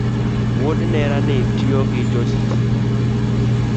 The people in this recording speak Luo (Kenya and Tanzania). Wuod nerani tiyo gi jo sitima